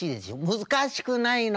「難しくないの。